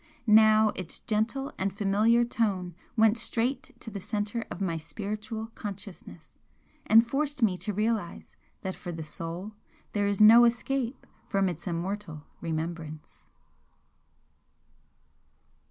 Now its gentle and familiar tone went straight to the centre of my spiritual consciousness, and forced me to realise that for the Soul there is no escape from its immortal remembrance!